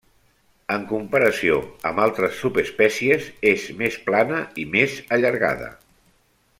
En comparació amb altres subespècies és més plana i més allargada.